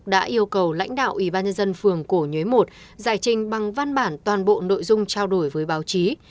đã yêu cầu lãnh đạo ubnd phường cổ nhuế i giải trình bằng văn bản toàn bộ nội dung trao đổi với báo chí